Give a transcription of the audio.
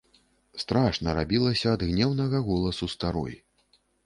Страшна рабілася ад гнеўнага голасу старой.